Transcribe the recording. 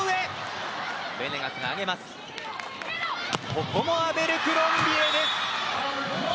ここもアベルクロンビエ！